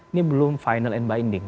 ini belum final and binding